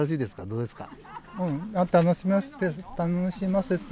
どうですか？